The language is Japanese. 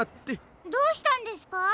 どうしたんですか？